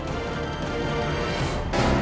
dimana kian santang